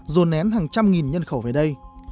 dồn nén hàng trăm nghìn nhân khẩu về đây